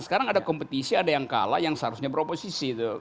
sekarang ada kompetisi ada yang kalah yang seharusnya beroposisi